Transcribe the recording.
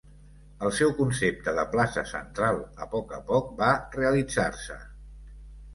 El seu concepte de plaça central a poc a poc va realitzar-se.